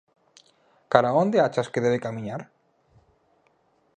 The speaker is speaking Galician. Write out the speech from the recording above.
Cara a onde achas que debe camiñar?